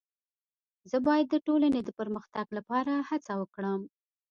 زه باید د ټولني د پرمختګ لپاره هڅه وکړم.